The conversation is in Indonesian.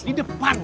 di depan bu